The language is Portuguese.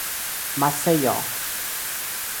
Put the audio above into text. Maceió